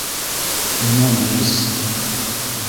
Имәнес.